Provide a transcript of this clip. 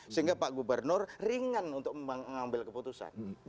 sehingga pak gubernur ringan untuk mengambil keputusan